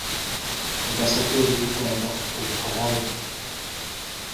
Ambasaderi w’u Rwanda mu Buholandi